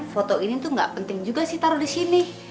foto ini tuh gak penting juga sih taruh di sini